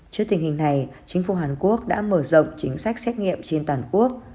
trước tình hình này chính phủ hàn quốc đã mở rộng chính sách xét nghiệm trên toàn quốc